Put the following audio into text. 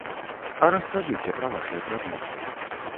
А раскажыце пра вашыя прадметы.